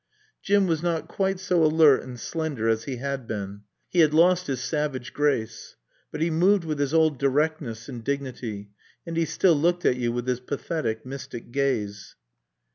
Jim was not quite so alert and slender as he had been. He had lost his savage grace. But he moved with his old directness and dignity, and he still looked at you with his pathetic, mystic gaze.